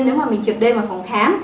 nếu mà mình trượt đêm vào phòng khám